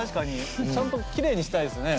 ちゃんときれいにしたいですね。